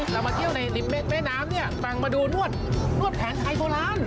เรามาเที่ยวในแม่น้ำเนี่ยแต่งมาดูนวดแผนไทยโบราณ